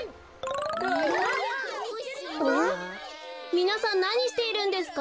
みなさんなにしているんですか？